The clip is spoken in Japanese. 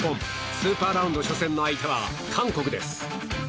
スーパーラウンド初戦の相手は韓国です。